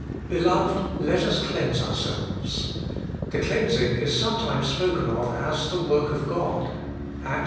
' Beloved ! let us cleanse ourselves' The cleansing is sometimes spoken of as the work of God (Acts xv.